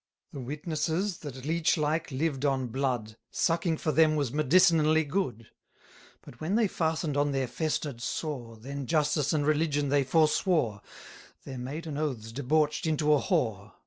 The witnesses, that leech like lived on blood, Sucking for them was medicinally good; 150 But when they fasten'd on their fester'd sore, Then justice and religion they forswore, Their maiden oaths debauch'd into a whore.